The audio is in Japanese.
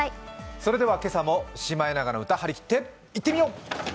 それでは今朝も「シマエナガの歌」張り切っていってみよう。